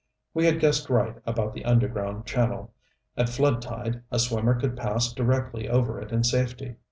We had guessed right about the underground channel. At flood tide a swimmer could pass directly over it in safety.